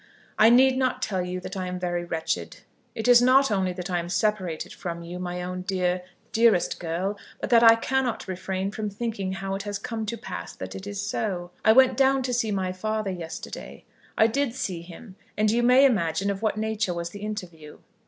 I need not tell you that I am very wretched. It is not only that I am separated from you, my own dear, dearest girl, but that I cannot refrain from thinking how it has come to pass that it is so. I went down to see my father yesterday. I did see him, and you may imagine of what nature was the interview.